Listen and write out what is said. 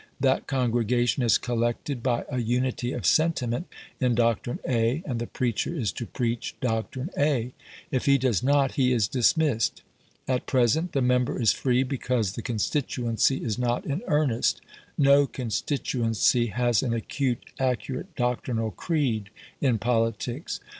That congregation is collected by a unity of sentiment in doctrine A, and the preacher is to preach doctrine A; if he does not, he is dismissed. At present the member is free because the constituency is not in earnest; no constituency has an acute, accurate doctrinal creed in politics.